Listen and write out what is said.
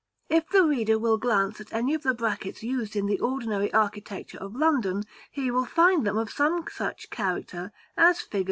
If the reader will glance at any of the brackets used in the ordinary architecture of London, he will find them of some such character as Fig.